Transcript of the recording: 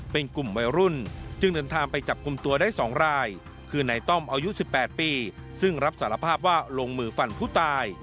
เป็นกลุ่มวัยรุ่นจึงเดินทางไปจับกลุ่มตัวได้๒ราย